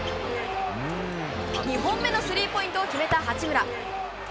２本目のスリーポイントを決めた八村。